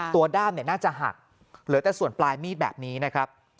ด้ามน่าจะหักเหลือแต่ส่วนปลายมีดแบบนี้นะครับ